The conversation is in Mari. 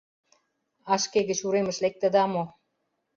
— А шке гыч уремыш лектыда мо?